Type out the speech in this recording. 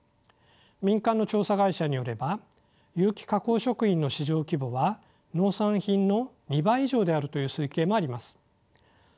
民間の調査会社によれば有機加工食品の市場規模は農産品の２倍以上であるという推計もあります。